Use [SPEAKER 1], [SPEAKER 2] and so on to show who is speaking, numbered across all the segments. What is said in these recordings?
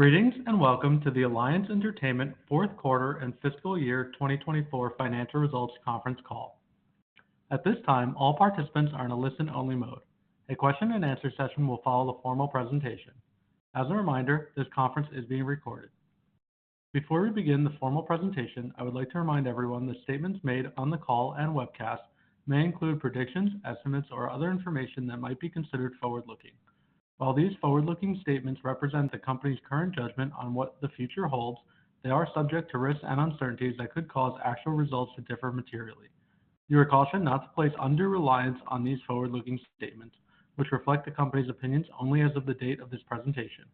[SPEAKER 1] Greetings, and welcome to the Alliance Entertainment fourth quarter and fiscal year 2024 financial results conference call. At this time, all participants are in a listen-only mode. A question-and-answer session will follow the formal presentation. As a reminder, this conference is being recorded. Before we begin the formal presentation, I would like to remind everyone that statements made on the call and webcast may include predictions, estimates, or other information that might be considered forward-looking. While these forward-looking statements represent the company's current judgment on what the future holds, they are subject to risks and uncertainties that could cause actual results to differ materially. You are cautioned not to place undue reliance on these forward-looking statements, which reflect the company's opinions only as of the date of this presentation.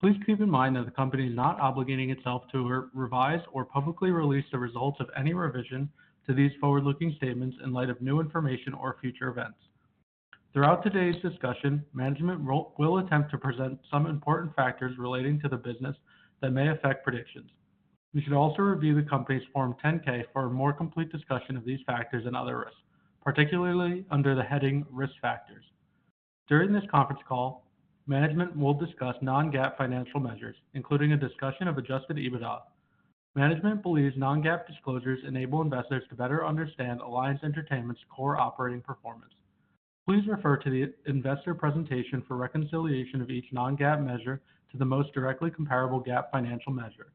[SPEAKER 1] Please keep in mind that the company is not obligating itself to re-revise or publicly release the results of any revision to these forward-looking statements in light of new information or future events. Throughout today's discussion, management will attempt to present some important factors relating to the business that may affect predictions. You should also review the company's Form 10-K for a more complete discussion of these factors and other risks, particularly under the heading Risk Factors. During this conference call, management will discuss non-GAAP financial measures, including a discussion of Adjusted EBITDA. Management believes non-GAAP disclosures enable investors to better understand Alliance Entertainment's core operating performance. Please refer to the investor presentation for reconciliation of each non-GAAP measure to the most directly comparable GAAP financial measure.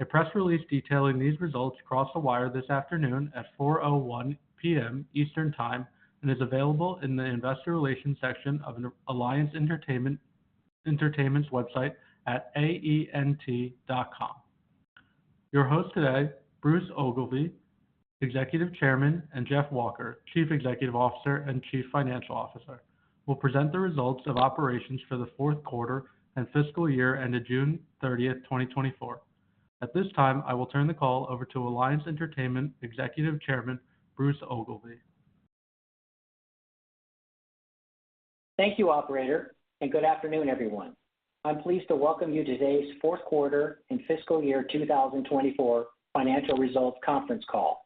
[SPEAKER 1] A press release detailing these results crossed the wire this afternoon at 4:01 P.M. Eastern Time and is available in the Investor Relations section of the Alliance Entertainment's website at aent.com. Your host today, Bruce Ogilvie, Executive Chairman, and Jeff Walker, Chief Executive Officer and Chief Financial Officer, will present the results of operations for the fourth quarter and fiscal year ended June thirtieth, 2024. At this time, I will turn the call over to Alliance Entertainment's Executive Chairman, Bruce Ogilvie.
[SPEAKER 2] Thank you, operator, and good afternoon, everyone. I'm pleased to welcome you to today's fourth quarter and fiscal year 2024 financial results conference call.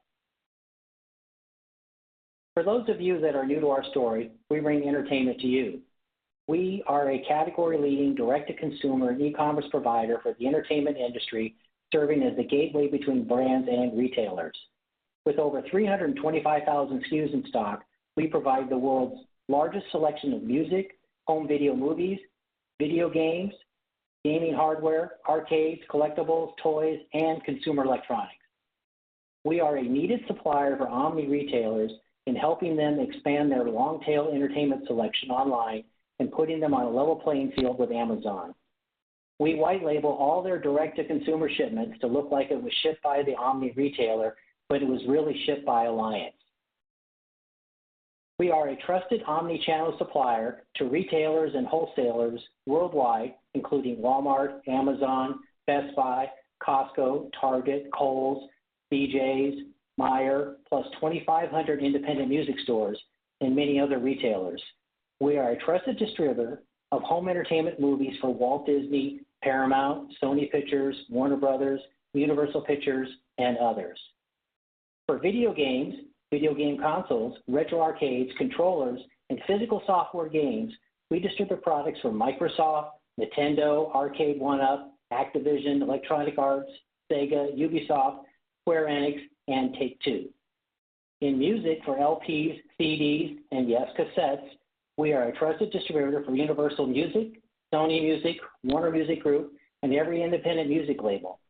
[SPEAKER 2] For those of you that are new to our story, we bring entertainment to you. We are a category-leading, direct-to-consumer e-commerce provider for the entertainment industry, serving as the gateway between brands and retailers. With over 325,000 SKUs in stock, we provide the world's largest selection of music, home video movies, video games, gaming hardware, arcades, collectibles, toys, and consumer electronics. We are a needed supplier for omni-retailers in helping them expand their long-tail entertainment selection online and putting them on a level playing field with Amazon. We white label all their direct-to-consumer shipments to look like it was shipped by the omni-retailer, but it was really shipped by Alliance. We are a trusted omni-channel supplier to retailers and wholesalers worldwide, including Walmart, Amazon, Best Buy, Costco, Target, Kohl's, BJ's, Meijer, plus 2,500 independent music stores and many other retailers. We are a trusted distributor of home entertainment movies for Walt Disney, Paramount, Sony Pictures, Warner Bros., Universal Pictures, and others. For video games, video game consoles, retro arcades, controllers, and physical software games, we distribute products from Microsoft, Nintendo, Arcade1Up, Activision, Electronic Arts, SEGA, Ubisoft, Square Enix, and Take-Two. In music for LPs, CDs, and yes, cassettes, we are a trusted distributor for Universal Music, Sony Music, Warner Music Group, and every independent music label.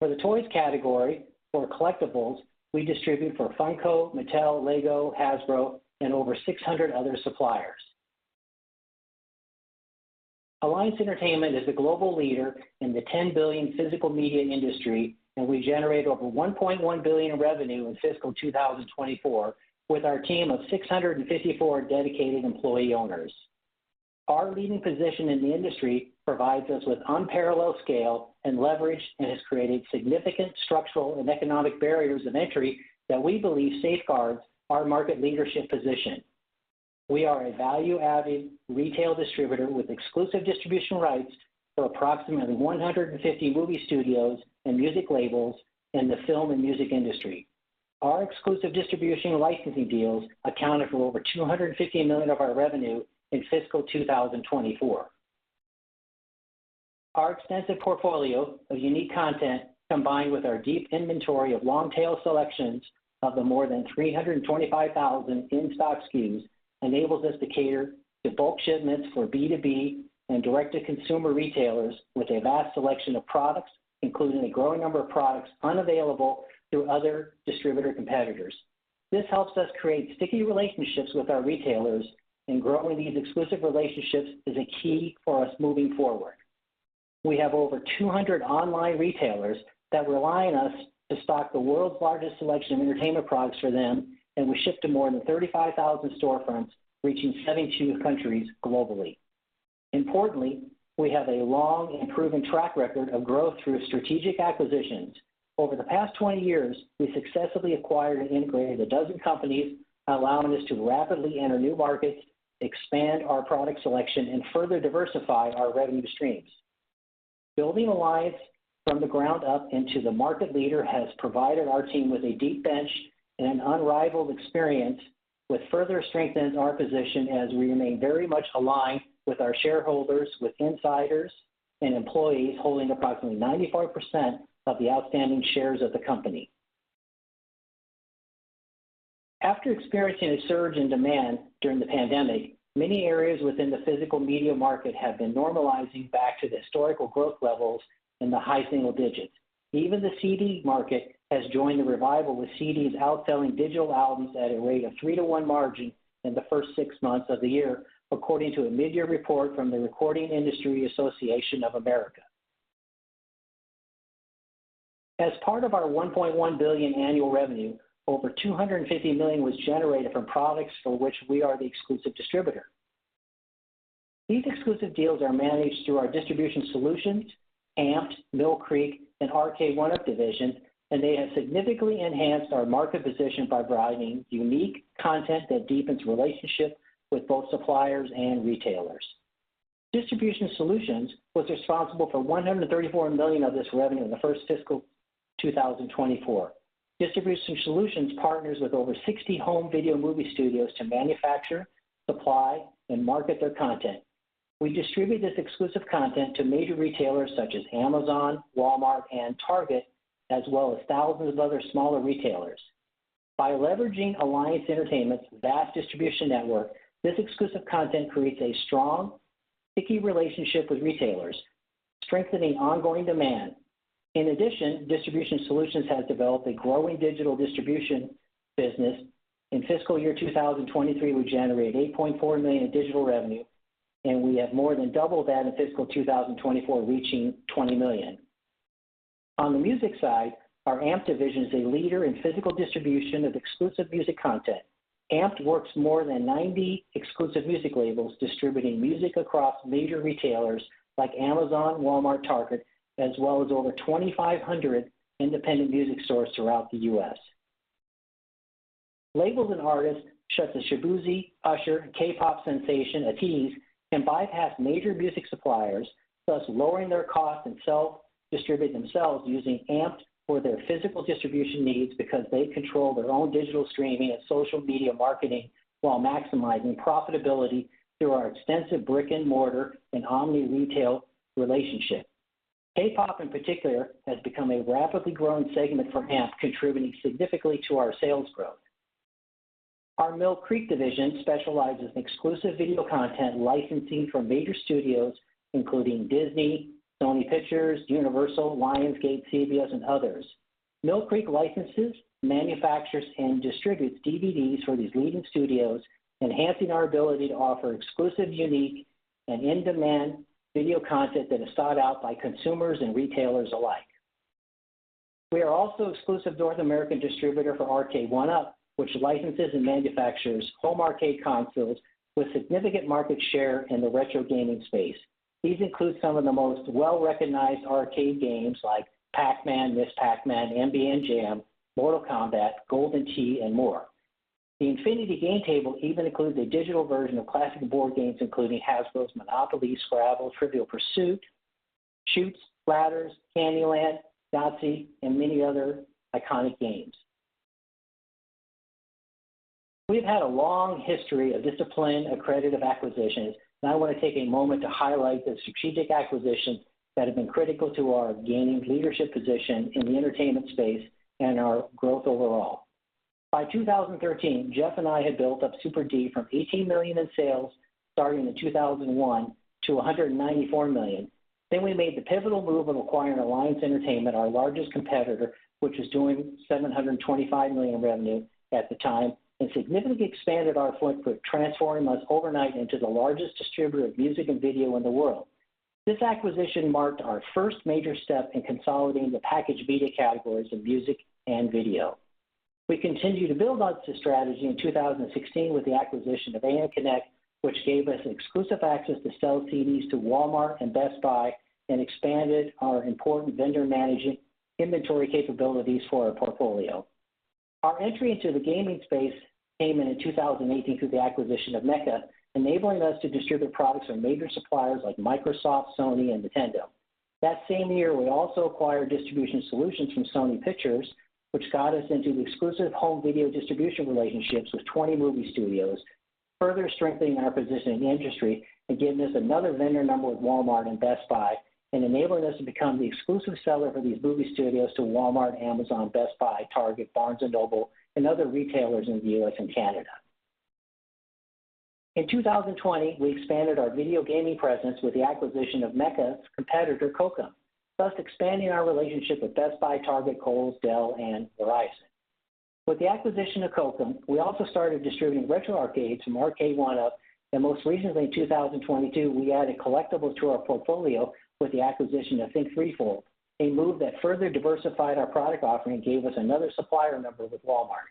[SPEAKER 2] For the toys category or collectibles, we distribute for Funko, Mattel, LEGO, Hasbro, and over 600 other suppliers. Alliance Entertainment is the global leader in the $10 billion physical media industry, and we generate over $1.1 billion in revenue in fiscal 2024, with our team of 654 dedicated employee owners. Our leading position in the industry provides us with unparalleled scale and leverage and has created significant structural and economic barriers of entry that we believe safeguards our market leadership position. We are a value-added retail distributor with exclusive distribution rights for approximately 150 movie studios and music labels in the film and music industry. Our exclusive distribution licensing deals accounted for over $250 million of our revenue in fiscal 2024. Our extensive portfolio of unique content, combined with our deep inventory of long-tail selections of the more than three hundred and twenty-five thousand in-stock SKUs, enables us to cater to bulk shipments for B2B and direct-to-consumer retailers with a vast selection of products, including a growing number of products unavailable through other distributor competitors. This helps us create sticky relationships with our retailers, and growing these exclusive relationships is a key for us moving forward. We have over two hundred online retailers that rely on us to stock the world's largest selection of entertainment products for them, and we ship to more than thirty-five thousand storefronts, reaching seventy-two countries globally. Importantly, we have a long and proven track record of growth through strategic acquisitions. Over the past twenty years, we successfully acquired and integrated a dozen companies, allowing us to rapidly enter new markets, expand our product selection, and further diversify our revenue streams. Building Alliance from the ground up into the market leader has provided our team with a deep bench and an unrivaled experience, with further strengthened our position as we remain very much aligned with our shareholders, with insiders and employees holding approximately 94% of the outstanding shares of the company. After experiencing a surge in demand during the pandemic, many areas within the physical media market have been normalizing back to the historical growth levels in the high single digits. Even the CD market has joined the revival, with CDs outselling digital albums at a rate of three-to-one margin in the first six months of the year, according to a midyear report from the Recording Industry Association of America. As part of our $1.1 billion annual revenue, over $250 million was generated from products for which we are the exclusive distributor. These exclusive deals are managed through our Distribution Solutions, AMPED, Mill Creek, and Arcade1Up division, and they have significantly enhanced our market position by providing unique content that deepens relationship with both suppliers and retailers. Distribution Solutions was responsible for $134 million of this revenue in the first fiscal 2024. Distribution Solutions partners with over 60 home video movie studios to manufacture, supply, and market their content. We distribute this exclusive content to major retailers such as Amazon, Walmart, and Target, as well as thousands of other smaller retailers. By leveraging Alliance Entertainment's vast distribution network, this exclusive content creates a strong, sticky relationship with retailers, strengthening ongoing demand. In addition, Distribution Solutions has developed a growing digital distribution business. In fiscal year 2023, we generated $8.4 million in digital revenue, and we have more than doubled that in fiscal year 2024, reaching $20 million. On the music side, our AMPED division is a leader in physical distribution of exclusive music content. AMPED works more than 90 exclusive music labels, distributing music across major retailers like Amazon, Walmart, Target, as well as over 2,500 independent music stores throughout the U.S. Labels and artists such as Shaboozey, Usher, K-pop sensation ATEEZ can bypass major music suppliers, thus lowering their costs and self-distribute themselves using AMPED for their physical distribution needs, because they control their own digital streaming and social media marketing, while maximizing profitability through our extensive brick-and-mortar and omni-channel relationship. K-pop, in particular, has become a rapidly growing segment for AMPED, contributing significantly to our sales growth. Our Mill Creek division specializes in exclusive video content licensing from major studios, including Disney, Sony Pictures, Universal, Lionsgate, CBS, and others. Mill Creek licenses, manufactures, and distributes DVDs for these leading studios, enhancing our ability to offer exclusive, unique, and in-demand video content that is sought out by consumers and retailers alike. We are also exclusive North American distributor for Arcade1Up, which licenses and manufactures home arcade consoles with significant market share in the retro gaming space. These include some of the most well-recognized arcade games like Pac-Man, Ms. Pac-Man, NBA Jam, Mortal Kombat, Golden Tee, and more. The Infinity Game Table even includes a digital version of classic board games, including Hasbro's Monopoly, Scrabble, Trivial Pursuit, Chutes and Ladders, Candy Land, Yahtzee, and many other iconic games. We've had a long history of disciplined, accretive acquisitions, and I want to take a moment to highlight the strategic acquisitions that have been critical to our gaining leadership position in the entertainment space and our growth overall. By 2013, Jeff and I had built up SuperD from 18 million in sales, starting in 2001 to 194 million. Then we made the pivotal move of acquiring Alliance Entertainment, our largest competitor, which was doing $725 million in revenue at the time, and significantly expanded our footprint, transforming us overnight into the largest distributor of music and video in the world. This acquisition marked our first major step in consolidating the packaged media categories of music and video. We continued to build on this strategy in 2016 with the acquisition of ANconnect, which gave us exclusive access to sell CDs to Walmart and Best Buy and expanded our important vendor managing inventory capabilities for our portfolio. Our entry into the gaming space came in 2018 through the acquisition of Mecca, enabling us to distribute products from major suppliers like Microsoft, Sony, and Nintendo. That same year, we also acquired Distribution Solutions from Sony Pictures, which got us into the exclusive home video distribution relationships with 20 movie studios, further strengthening our position in the industry and giving us another vendor number with Walmart and Best Buy, and enabling us to become the exclusive seller for these movie studios to Walmart, Amazon, Best Buy, Target, Barnes & Noble, and other retailers in the U.S. and Canada. In 2020, we expanded our video gaming presence with the acquisition of Mecca's competitor, Cokem, thus expanding our relationship with Best Buy, Target, Kohl's, Dell, and Verizon. With the acquisition of Cokem, we also started distributing retro arcades from Arcade1Up, and most recently, in 2022, we added collectibles to our portfolio with the acquisition of Think3Fold, a move that further diversified our product offering and gave us another supplier number with Walmart.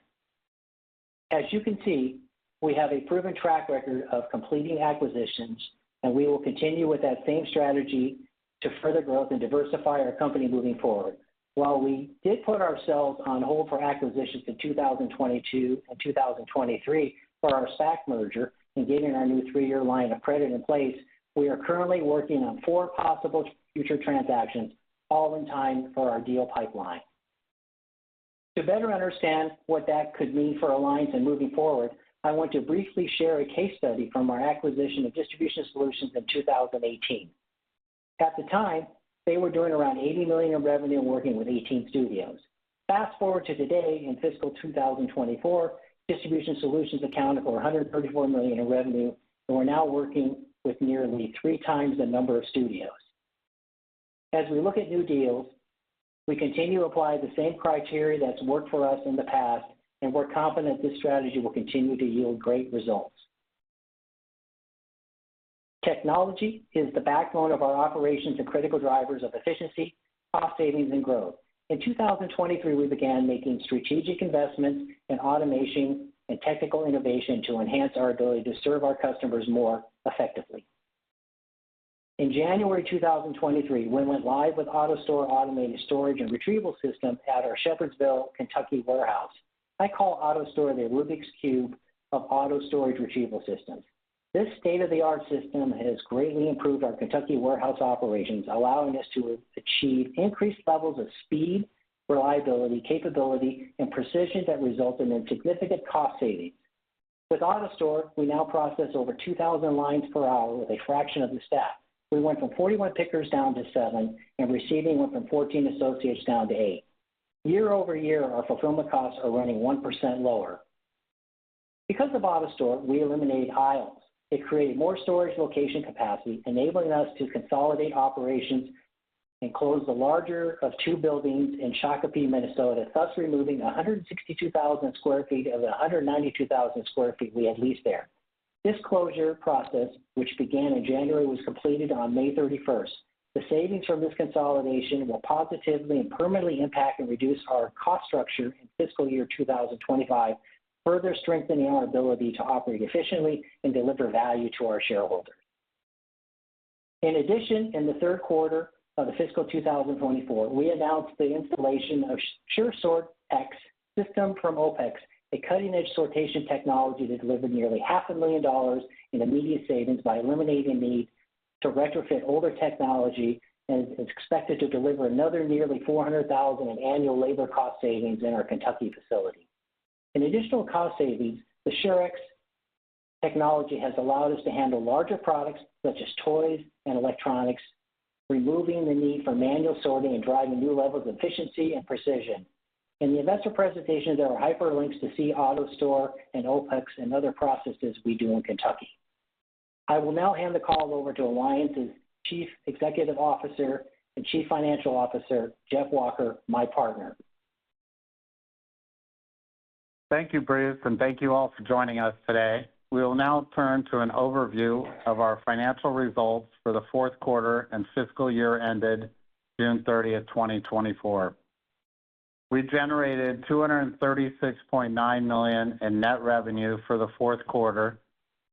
[SPEAKER 2] As you can see, we have a proven track record of completing acquisitions, and we will continue with that same strategy to further growth and diversify our company moving forward. While we did put ourselves on hold for acquisitions in 2022 and 2023 for our stack merger and getting our new three-year line of credit in place, we are currently working on four possible future transactions, all in time for our deal pipeline. To better understand what that could mean for Alliance and moving forward, I want to briefly share a case study from our acquisition of Distribution Solutions in 2018. At the time, they were doing around $80 million in revenue, working with eighteen studios. Fast forward to today, in fiscal 2024, Distribution Solutions accounted for $134 million in revenue, and we're now working with nearly three times the number of studios. As we look at new deals, we continue to apply the same criteria that's worked for us in the past, and we're confident this strategy will continue to yield great results. Technology is the backbone of our operations and critical drivers of efficiency, cost savings, and growth. In 2023, we began making strategic investments in automation and technical innovation to enhance our ability to serve our customers more effectively. In January 2023, we went live with AutoStore automated storage and retrieval system at our Shepherdsville, Kentucky, warehouse. I call AutoStore the Rubik's Cube of auto storage retrieval systems. This state-of-the-art system has greatly improved our Kentucky warehouse operations, allowing us to achieve increased levels of speed, reliability, capability, and precision that result in significant cost savings. With AutoStore, we now process over 2,000 lines per hour with a fraction of the staff. We went from 41 pickers down to seven, and receiving went from 14 associates down to eight. Year-over-year, our fulfillment costs are running 1% lower. Because of AutoStore, we eliminated aisles. It created more storage location capacity, enabling us to consolidate operations and close the larger of two buildings in Shakopee, Minnesota, thus removing 162,000 sq ft of the 192,000 sq ft we had leased there. This closure process, which began in January, was completed on May thirty-first. The savings from this consolidation will positively and permanently impact and reduce our cost structure in fiscal year two thousand and twenty-five, further strengthening our ability to operate efficiently and deliver value to our shareholders. In addition, in the third quarter of the fiscal two thousand and twenty-four, we announced the installation of Sure Sort X system from OPEX, a cutting-edge sortation technology that delivered nearly $500,000 in immediate savings by eliminating the need to retrofit older technology, and it's expected to deliver another nearly $400,000 in annual labor cost savings in our Kentucky facility. In addition, the Sure Sort X technology has allowed us to handle larger products, such as toys and electronics, removing the need for manual sorting and driving new levels of efficiency and precision. In the investor presentation, there are hyperlinks to see AutoStore and OPEX and other processes we do in Kentucky. I will now hand the call over to Alliance's Chief Executive Officer and Chief Financial Officer, Jeff Walker, my partner.
[SPEAKER 3] Thank you, Bruce, and thank you all for joining us today. We will now turn to an overview of our financial results for the fourth quarter and fiscal year ended June thirtieth, 2024. We generated $236.9 million in net revenue for the fourth quarter,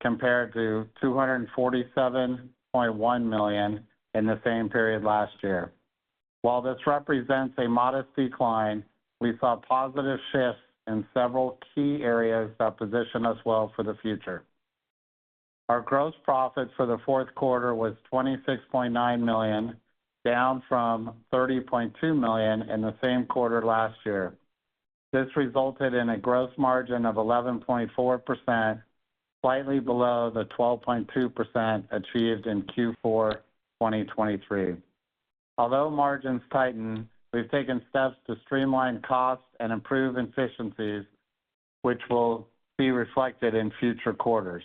[SPEAKER 3] compared to $247.1 million in the same period last year. While this represents a modest decline, we saw positive shifts in several key areas that position us well for the future. Our gross profit for the fourth quarter was $26.9 million, down from $30.2 million in the same quarter last year. This resulted in a gross margin of 11.4%, slightly below the 12.2% achieved in Q4, 2023. Although margins tighten, we've taken steps to streamline costs and improve efficiencies, which will be reflected in future quarters.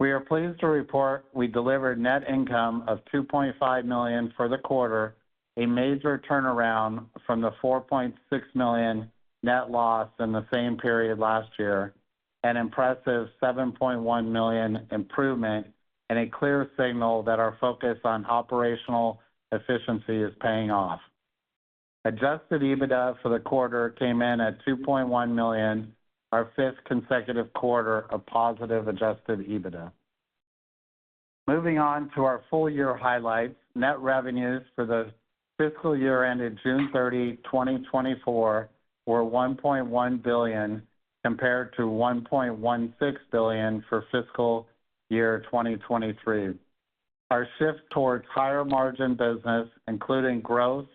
[SPEAKER 3] We are pleased to report we delivered net income of $2.5 million for the quarter, a major turnaround from the $4.6 million net loss in the same period last year, an impressive $7.1 million improvement and a clear signal that our focus on operational efficiency is paying off. Adjusted EBITDA for the quarter came in at $2.1 million, our fifth consecutive quarter of positive adjusted EBITDA. Moving on to our full year highlights. Net revenues for the fiscal year ended June 30, 2024, were $1.1 billion, compared to $1.16 billion for fiscal year 2023. Our shift towards higher margin business, including growth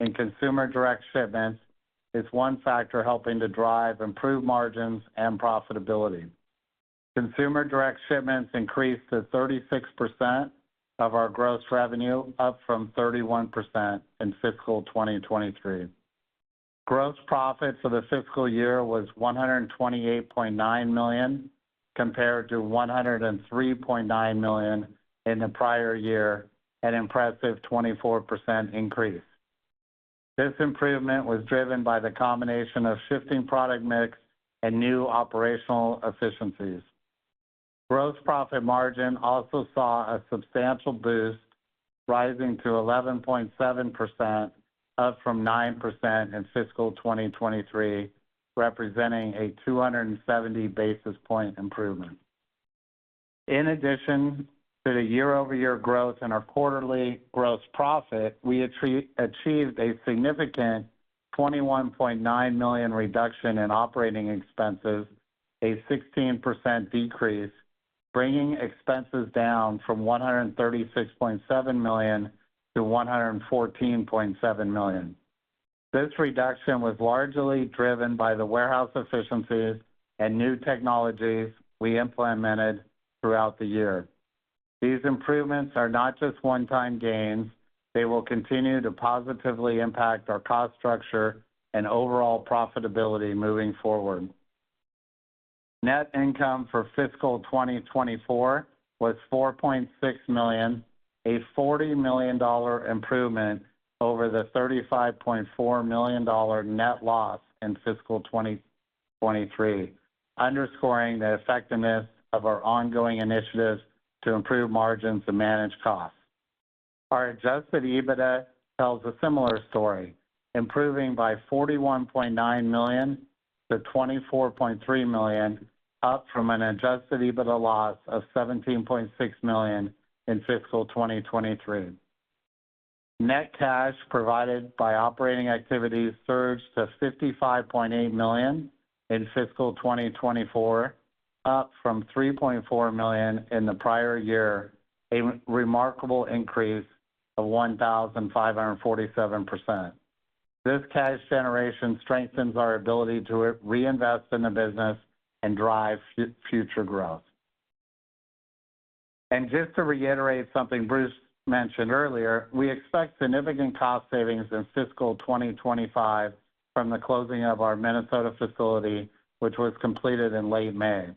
[SPEAKER 3] in consumer direct shipments, is one factor helping to drive improved margins and profitability. Consumer direct shipments increased to 36% of our gross revenue, up from 31% in fiscal 2023. Gross profit for the fiscal year was $128.9 million, compared to $103.9 million in the prior year, an impressive 24% increase. This improvement was driven by the combination of shifting product mix and new operational efficiencies. Gross profit margin also saw a substantial boost, rising to 11.7%, up from 9% in fiscal 2023, representing a 270 basis point improvement. In addition to the year-over-year growth in our quarterly gross profit, we achieved a significant $21.9 million reduction in operating expenses, a 16% decrease, bringing expenses down from $136.7 million to $114.7 million. This reduction was largely driven by the warehouse efficiencies and new technologies we implemented throughout the year. These improvements are not just one-time gains. They will continue to positively impact our cost structure and overall profitability moving forward. Net income for fiscal 2024 was $4.6 million, a $40 million improvement over the $35.4 million net loss in fiscal 2023, underscoring the effectiveness of our ongoing initiatives to improve margins and manage costs. Our adjusted EBITDA tells a similar story, improving by $41.9 million to $24.3 million, up from an adjusted EBITDA loss of $17.6 million in fiscal 2023. Net cash provided by operating activities surged to $55.8 million in fiscal 2024, up from $3.4 million in the prior year, a remarkable increase of 1,547%. This cash generation strengthens our ability to reinvest in the business and drive future growth. Just to reiterate something Bruce mentioned earlier, we expect significant cost savings in fiscal 2025 from the closing of our Minnesota facility, which was completed in late May.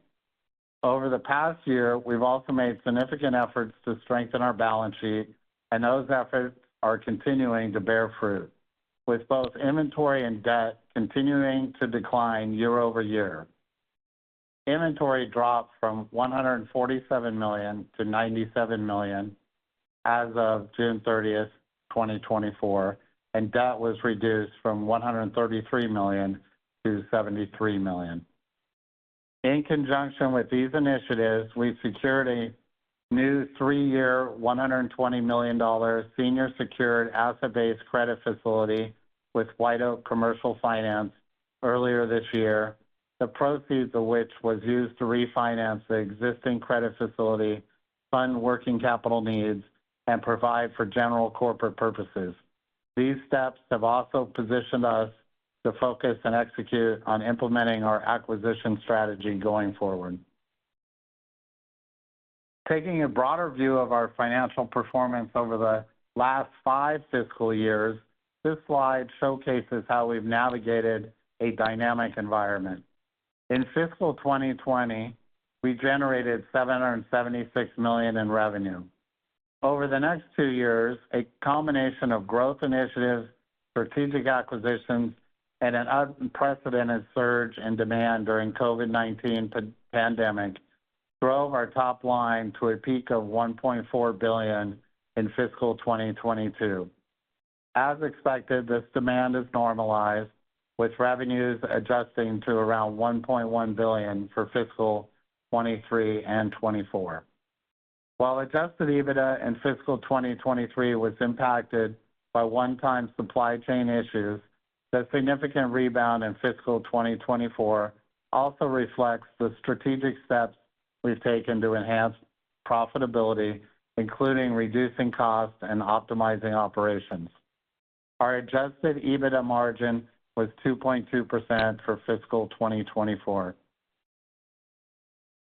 [SPEAKER 3] Over the past year, we've also made significant efforts to strengthen our balance sheet, and those efforts are continuing to bear fruit, with both inventory and debt continuing to decline year over year. Inventory dropped from $147 million to $97 million as of June 30th, 2024, and debt was reduced from $133 million to $73 million. In conjunction with these initiatives, we've secured a new three-year, $120 million senior secured asset-based credit facility with White Oak Commercial Finance earlier this year, the proceeds of which was used to refinance the existing credit facility, fund working capital needs, and provide for general corporate purposes. These steps have also positioned us to focus and execute on implementing our acquisition strategy going forward. Taking a broader view of our financial performance over the last five fiscal years, this slide showcases how we've navigated a dynamic environment. In fiscal 2020, we generated $776 million in revenue. Over the next two years, a combination of growth initiatives, strategic acquisitions, and an unprecedented surge in demand during COVID-19 pandemic, drove our top line to a peak of $1.4 billion in fiscal 2022. As expected, this demand is normalized, with revenues adjusting to around $1.1 billion for fiscal 2023 and 2024. While adjusted EBITDA in fiscal 2023 was impacted by one-time supply chain issues, the significant rebound in fiscal 2024 also reflects the strategic steps we've taken to enhance profitability, including reducing costs and optimizing operations. Our adjusted EBITDA margin was 2.2% for fiscal 2024.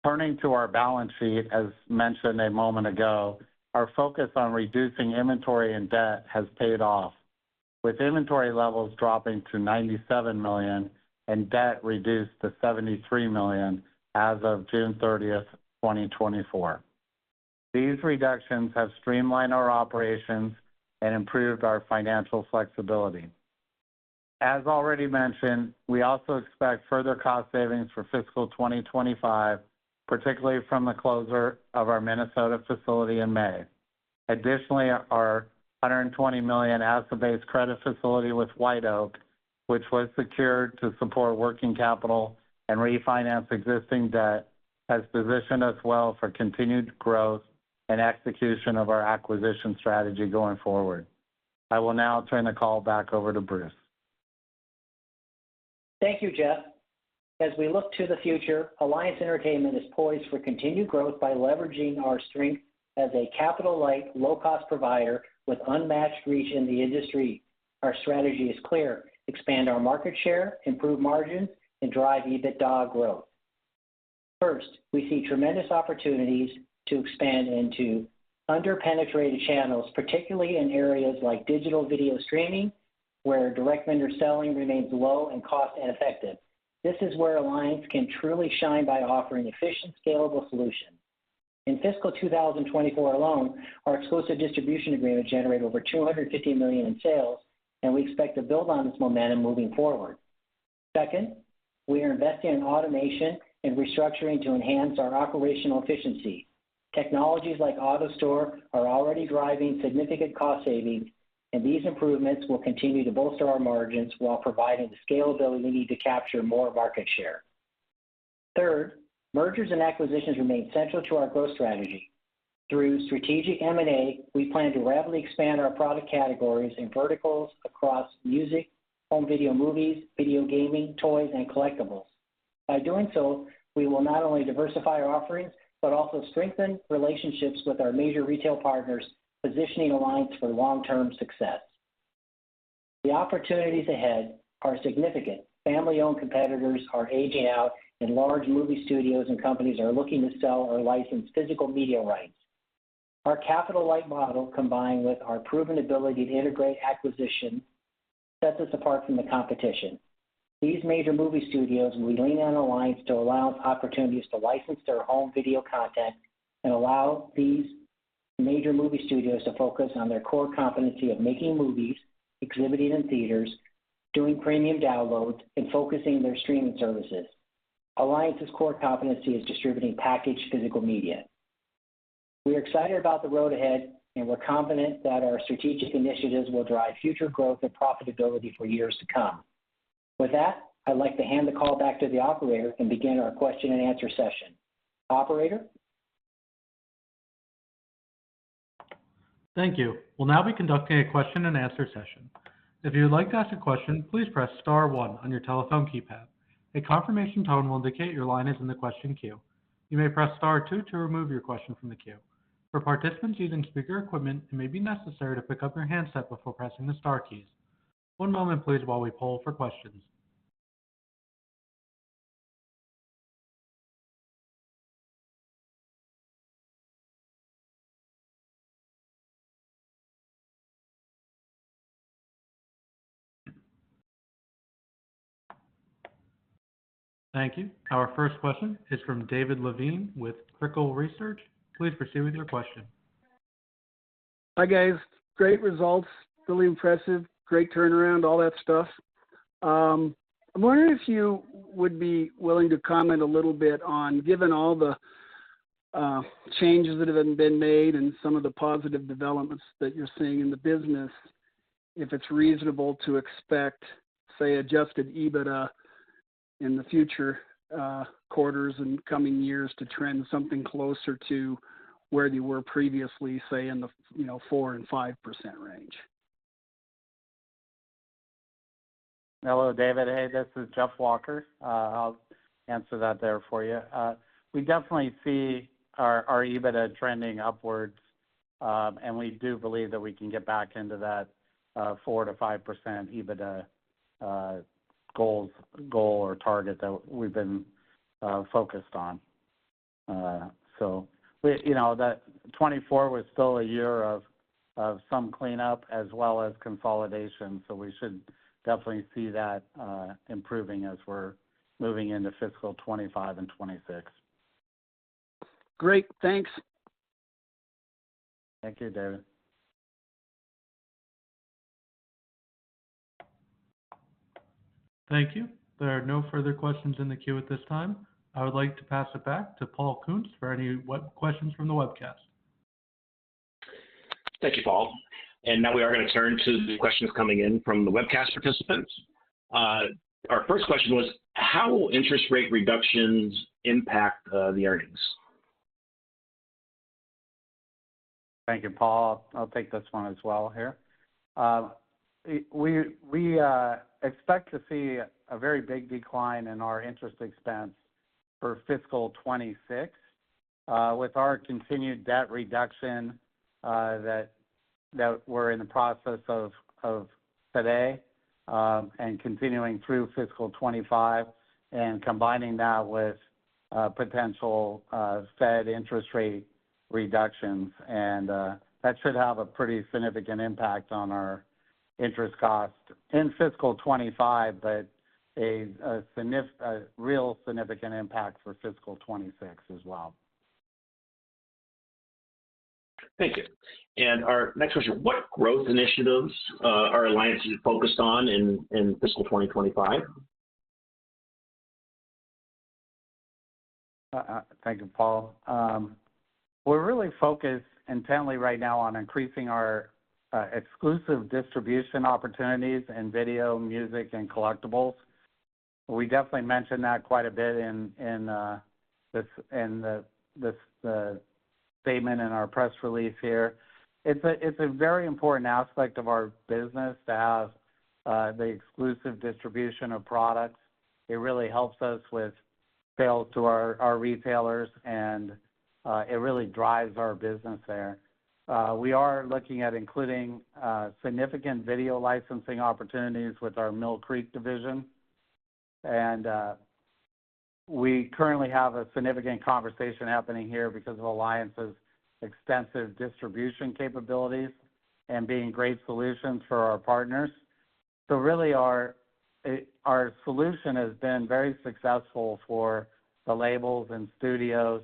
[SPEAKER 3] Turning to our balance sheet, as mentioned a moment ago, our focus on reducing inventory and debt has paid off, with inventory levels dropping to $97 million and debt reduced to $73 million as of June 30, 2024. These reductions have streamlined our operations and improved our financial flexibility. As already mentioned, we also expect further cost savings for fiscal 2025, particularly from the closure of our Minnesota facility in May. Additionally, our $120 million asset-based credit facility with White Oak, which was secured to support working capital and refinance existing debt, has positioned us well for continued growth and execution of our acquisition strategy going forward. I will now turn the call back over to Bruce.
[SPEAKER 2] Thank you, Jeff. As we look to the future, Alliance Entertainment is poised for continued growth by leveraging our strength as a capital-light, low-cost provider with unmatched reach in the industry. Our strategy is clear: expand our market share, improve margin, and drive EBITDA growth. First, we see tremendous opportunities to expand into under-penetrated channels, particularly in areas like digital video streaming, where direct vendor selling remains low and cost ineffective. This is where Alliance can truly shine by offering efficient, scalable solutions. In fiscal 2024 alone, our exclusive distribution agreement generated over $250 million in sales, and we expect to build on this momentum moving forward. Second, we are investing in automation and restructuring to enhance our operational efficiency. Technologies like AutoStore are already driving significant cost savings, and these improvements will continue to bolster our margins while providing the scalability we need to capture more market share. Third, mergers and acquisitions remain central to our growth strategy. Through strategic M&A, we plan to rapidly expand our product categories in verticals across music, home video movies, video gaming, toys, and collectibles. By doing so, we will not only diversify our offerings, but also strengthen relationships with our major retail partners, positioning Alliance for long-term success. The opportunities ahead are significant. Family-owned competitors are aging out, and large movie studios and companies are looking to sell or license physical media rights. Our capital-light model, combined with our proven ability to integrate acquisition, sets us apart from the competition. These major movie studios will lean on Alliance to allow opportunities to license their own video content and allow these major movie studios to focus on their core competency of making movies, exhibiting in theaters, doing premium downloads, and focusing their streaming services. Alliance's core competency is distributing packaged physical media. We are excited about the road ahead, and we're confident that our strategic initiatives will drive future growth and profitability for years to come. With that, I'd like to hand the call back to the operator and begin our question-and-answer session. Operator?
[SPEAKER 1] Thank you. We'll now be conducting a question-and-answer session. If you'd like to ask a question, please press star one on your telephone keypad. A confirmation tone will indicate your line is in the question queue. You may press star two to remove your question from the queue. For participants using speaker equipment, it may be necessary to pick up your handset before pressing the star keys. One moment please, while we poll for questions. Thank you. Our first question is from David Lavigne with Trickle Research. Please proceed with your question.
[SPEAKER 4] Hi, guys. Great results. Really impressive. Great turnaround, all that stuff. I'm wondering if you would be willing to comment a little bit on, given all the changes that have been made and some of the positive developments that you're seeing in the business, if it's reasonable to expect, say, Adjusted EBITDA in the future quarters and coming years to trend something closer to where you were previously, say, in the, you know, 4%-5% range?
[SPEAKER 3] Hello, David. Hey, this is Jeff Walker. I'll answer that there for you. We definitely see our EBITDA trending upwards, and we do believe that we can get back into that 4%-5% EBITDA goal or target that we've been focused on. So, you know, 2024 was still a year of some cleanup as well as consolidation, so we should definitely see that improving as we're moving into fiscal 2025 and 2026.
[SPEAKER 4] Great. Thanks.
[SPEAKER 3] Thank you, David.
[SPEAKER 1] Thank you. There are no further questions in the queue at this time. I would like to pass it back to Paul Kuntz for any web questions from the webcast.
[SPEAKER 5] Thank you, Paul. And now we are going to turn to the questions coming in from the webcast participants. Our first question was: how will interest rate reductions impact the earnings?
[SPEAKER 3] Thank you, Paul. I'll take this one as well here. We expect to see a very big decline in our interest expense for fiscal 2026, with our continued debt reduction that we're in the process of today, and continuing through fiscal 2025, and combining that with potential Fed interest rate reductions, and that should have a pretty significant impact on our interest cost in fiscal 2025, but a real significant impact for fiscal 2026 as well.
[SPEAKER 5] Thank you and our next question: What growth initiatives are Alliance focused on in fiscal 2025?
[SPEAKER 3] Thank you, Paul. We're really focused intently right now on increasing our exclusive distribution opportunities in video, music, and collectibles. We definitely mentioned that quite a bit in this statement in our press release here. It's a very important aspect of our business to have the exclusive distribution of products. It really helps us with sales to our retailers, and it really drives our business there. We are looking at including significant video licensing opportunities with our Mill Creek division. And we currently have a significant conversation happening here because of Alliance's extensive distribution capabilities and being great solutions for our partners. So really, our solution has been very successful for the labels and studios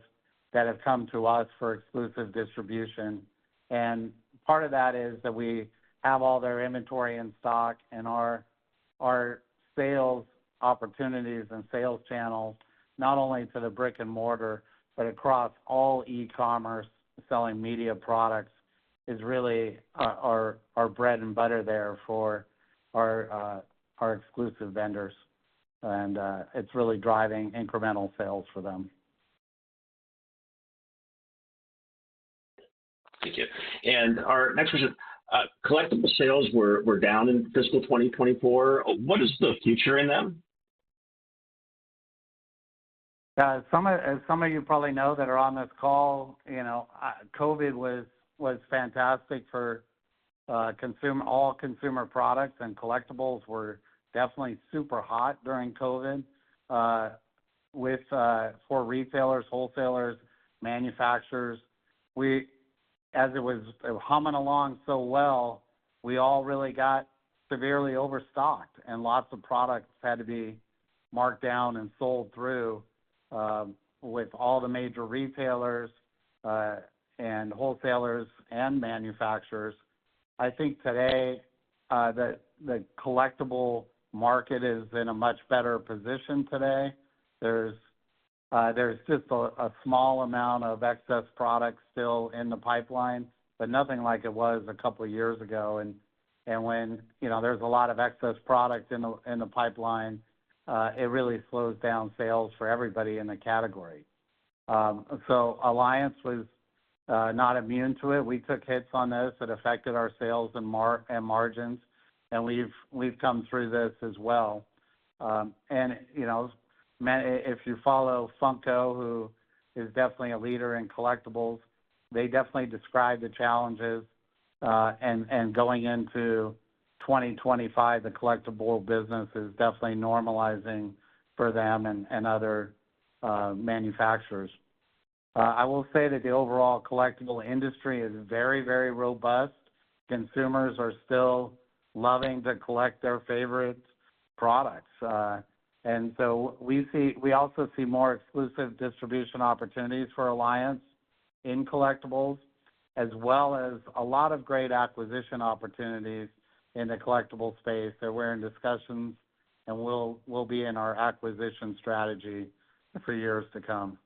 [SPEAKER 3] that have come to us for exclusive distribution. Part of that is that we have all their inventory in stock, and our sales opportunities and sales channels, not only to the brick-and-mortar but across all e-commerce selling media products, is really our bread and butter there for our exclusive vendors, and it's really driving incremental sales for them.
[SPEAKER 5] Thank you, and our next question, collectibles sales were down in fiscal 2024. What is the future in them?
[SPEAKER 3] Some of you probably know that are on this call, you know, COVID was fantastic for all consumer products, and collectibles were definitely super hot during COVID. With, for retailers, wholesalers, manufacturers, we, as it was humming along so well, we all really got severely overstocked, and lots of products had to be marked down and sold through with all the major retailers, and wholesalers and manufacturers. I think today, the collectible market is in a much better position today. There's just a small amount of excess product still in the pipeline, but nothing like it was a couple of years ago. When, you know, there's a lot of excess product in the pipeline, it really slows down sales for everybody in the category. So Alliance was not immune to it. We took hits on this that affected our sales and margins, and we've come through this as well. And, you know, if you follow Funko, who is definitely a leader in collectibles, they definitely describe the challenges, and going into 2025, the collectible business is definitely normalizing for them and other manufacturers. I will say that the overall collectible industry is very, very robust. Consumers are still loving to collect their favorite products. And so we see, we also see more exclusive distribution opportunities for Alliance in collectibles, as well as a lot of great acquisition opportunities in the collectible space, that we're in discussions, and we'll be in our acquisition strategy for years to come.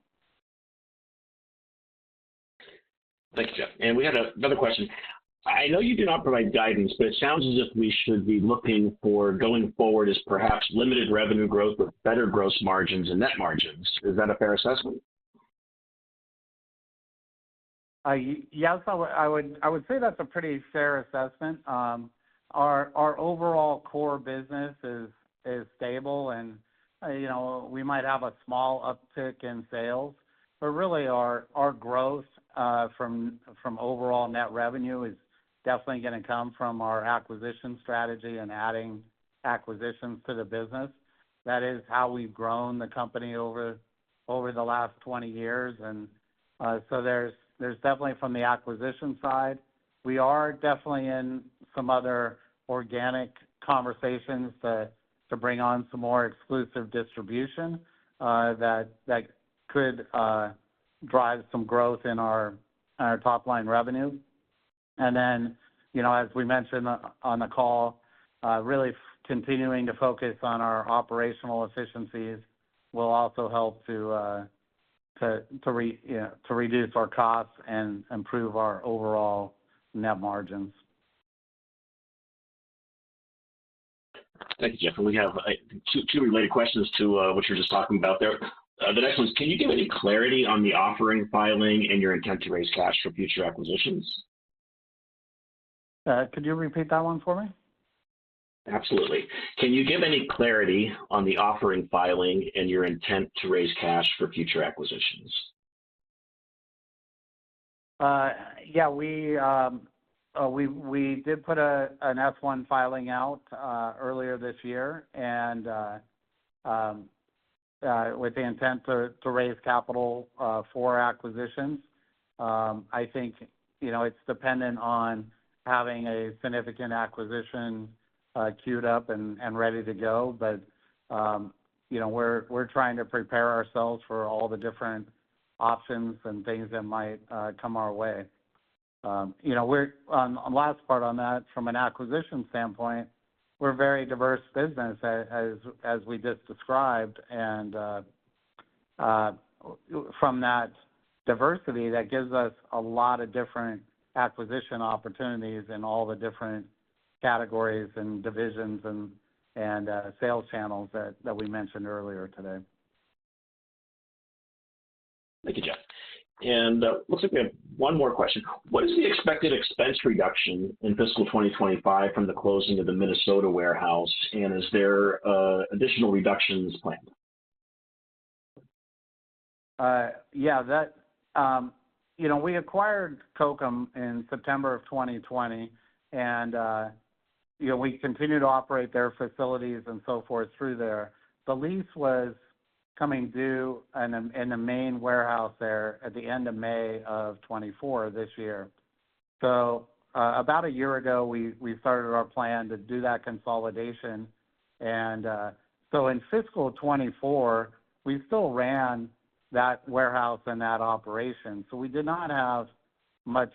[SPEAKER 5] Thanks, Jeff. And we had another question. I know you do not provide guidance, but it sounds as if we should be looking for going forward as perhaps limited revenue growth with better gross margins and net margins. Is that a fair assessment?
[SPEAKER 3] Yes, I would say that's a pretty fair assessment. Our overall core business is stable and, you know, we might have a small uptick in sales, but really our growth from overall net revenue is definitely gonna come from our acquisition strategy and adding acquisitions to the business. That is how we've grown the company over the last 20 years, and so there's definitely from the acquisition side, we are definitely in some other organic conversations to bring on some more exclusive distribution that could drive some growth in our top-line revenue, and then, you know, as we mentioned on the call, really continuing to focus on our operational efficiencies will also help to reduce our costs and improve our overall net margins.
[SPEAKER 5] Thank you, Jeff. And we have two related questions to what you're just talking about there. The next one is, can you give any clarity on the offering filing and your intent to raise cash for future acquisitions?
[SPEAKER 3] Could you repeat that one for me?
[SPEAKER 5] Absolutely. Can you give any clarity on the offering, filing, and your intent to raise cash for future acquisitions?
[SPEAKER 3] Yeah, we did put an S-1 filing out earlier this year, and with the intent to raise capital for acquisitions. I think, you know, it's dependent on having a significant acquisition queued up and ready to go. But, you know, we're trying to prepare ourselves for all the different options and things that might come our way. You know, we're on last part on that, from an acquisition standpoint, we're a very diverse business, as we just described, and from that diversity, that gives us a lot of different acquisition opportunities in all the different categories and divisions and sales channels that we mentioned earlier today.
[SPEAKER 5] Thank you, Jeff. And looks like we have one more question. What is the expected expense reduction in fiscal 2025 from the closing of the Minnesota warehouse, and is there additional reductions planned?
[SPEAKER 3] Yeah, that, you know, we acquired Cokem in September of 2020, and, you know, we continued to operate their facilities and so forth through there. The lease was coming due in the main warehouse there at the end of May of 2024, this year. So, about a year ago, we started our plan to do that consolidation. And, so in fiscal 2024, we still ran that warehouse and that operation, so we did not have much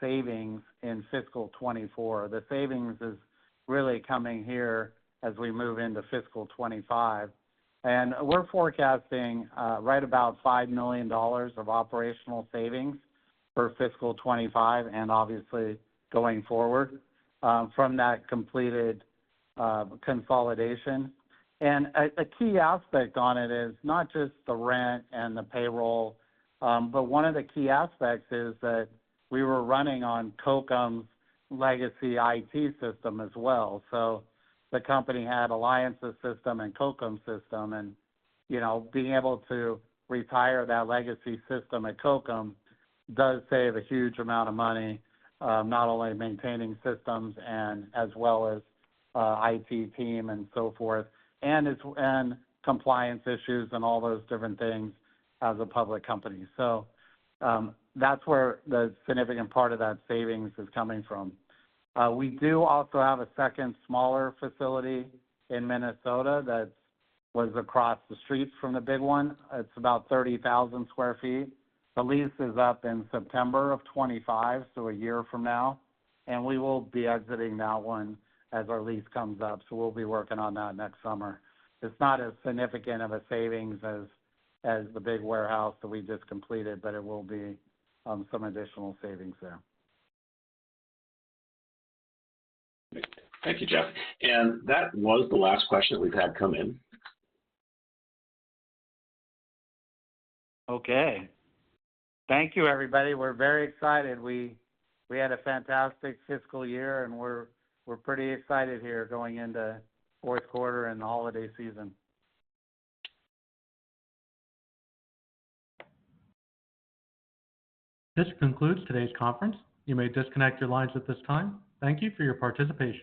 [SPEAKER 3] savings in fiscal 2024. The savings is really coming here as we move into fiscal 2025. And we're forecasting right about $5 million of operational savings for fiscal 2025, and obviously going forward, from that completed consolidation. A key aspect on it is not just the rent and the payroll, but one of the key aspects is that we were running on Cokem's legacy IT system as well. So the company had Alliance's system and Cokem's system, and, you know, being able to retire that legacy system at Cokem does save a huge amount of money, not only maintaining systems and as well as, IT team and so forth, and it's and compliance issues and all those different things as a public company. So, that's where the significant part of that savings is coming from. We do also have a second smaller facility in Minnesota that was across the street from the big one. It's about 30,000 sq ft. The lease is up in September of 2025, so a year from now, and we will be exiting that one as our lease comes up. So we'll be working on that next summer. It's not as significant of a savings as the big warehouse that we just completed, but it will be some additional savings there.
[SPEAKER 5] Thank you, Jeff, and that was the last question we've had come in.
[SPEAKER 3] Okay. Thank you, everybody. We're very excited. We had a fantastic fiscal year, and we're pretty excited here going into fourth quarter and the holiday season.
[SPEAKER 1] This concludes today's conference. You may disconnect your lines at this time. Thank you for your participation.